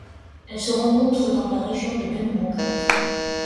Elle se rencontre dans la région de Bemboka.